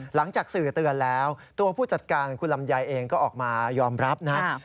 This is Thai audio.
หลังจากสื่อเตือนแล้วตัวผู้จัดการคุณลำไยเองก็ออกมายอมรับนะ